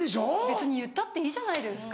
別に言ったっていいじゃないですか。